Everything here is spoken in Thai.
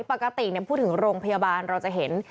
ปกติพูดถึงโรงพยาบาลเราจะเห็น